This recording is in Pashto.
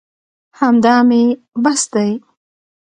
همدا مې بس دي.